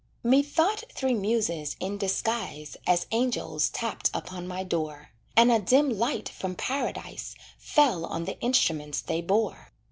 Methought three muses in disguise As angels tapped upon my door, And a dim light from paradise Fell on the instruments they bore.